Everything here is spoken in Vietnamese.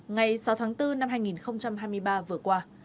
ngày sáu tháng bốn năm hai nghìn hai mươi ba vừa qua